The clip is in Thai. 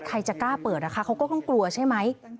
ใครจะกล้าเปิดนะคะเขาก็ต้องกลัวใช่ไหม